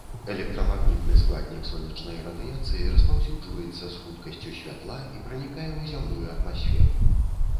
Электрамагнітны складнік сонечнай радыяцыі распаўсюджваецца з хуткасцю святла і пранікае ў зямную атмасферу.